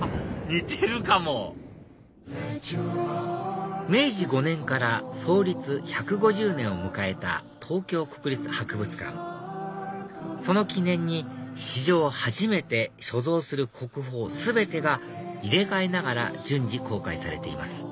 似てるかも明治５年から創立１５０年を迎えた東京国立博物館その記念に史上初めて所蔵する国宝全てが入れ替えながら順次公開されています